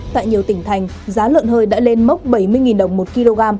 tại nhiều tỉnh thành giá lợn hơi đã lên mốc bảy mươi đồng một kg